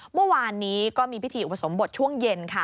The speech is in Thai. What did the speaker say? เมื่อวานนี้ก็มีพิธีอุปสมบทช่วงเย็นค่ะ